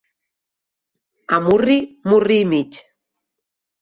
A murri, murri i mig.